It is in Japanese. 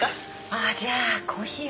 あっじゃあコーヒーを。